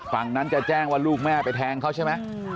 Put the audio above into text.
ฝั่งนั้นจะแจ้งว่าลูกแม่ไปแทงเขาใช่ไหม